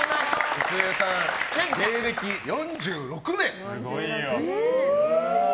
郁恵さん、芸歴４６年。